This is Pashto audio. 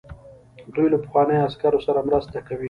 دوی له پخوانیو عسکرو سره مرسته کوي.